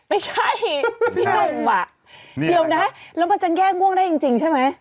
ไม่ใช่พี่หนุ่มอ่ะเดี๋ยวนะแล้วมันจะแง่วงได้จริงใช่ไหม